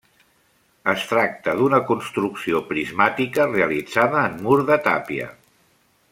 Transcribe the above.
Es tracta d'una construcció prismàtica realitzada en mur de tàpia.